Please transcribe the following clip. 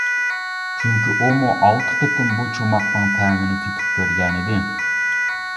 چۈنكى ئۇمۇ ئالتە قېتىم بۇ چوماقنىڭ تەمىنى تېتىپ كۆرگەنىدى.